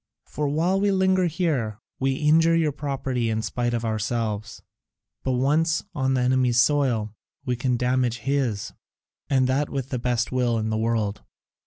For while we linger here, we injure your property in spite of ourselves, but once on the enemy's soil, we can damage his, and that with the best will in the world.